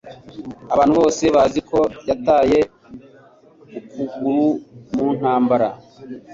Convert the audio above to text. Abantu bose bazi ko yataye ukuguru mu ntambara.